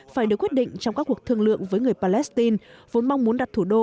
phải được quyết định trong các cuộc thương lượng với người palestine vốn mong muốn đặt thủ đô